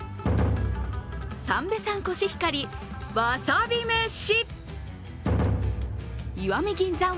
三瓶産コシヒカリわさび飯。